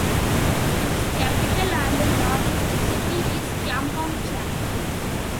Its capital and largest city is Kampong Cham.